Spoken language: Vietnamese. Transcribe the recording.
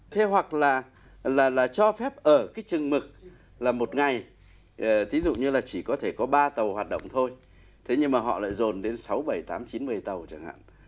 thế hoặc là cho phép ở cái chừng mực là một ngày tí dụ như là chỉ có thể có ba tàu hoạt động thôi thế nhưng mà họ lại dồn đến sáu bảy tám chín một mươi tàu chẳng hạn